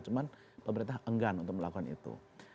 cuman pemerintah enggan untuk melakukan itu